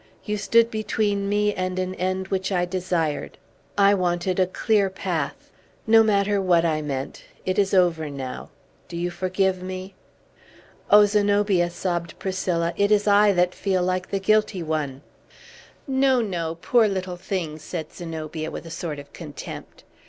You stood between me and an end which I desired. I wanted a clear path. No matter what I meant. It is over now. Do you forgive me?" "O Zenobia," sobbed Priscilla, "it is I that feel like the guilty one!" "No, no, poor little thing!" said Zenobia, with a sort of contempt.